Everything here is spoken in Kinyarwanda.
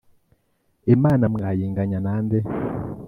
Imana mwayinganya na nde,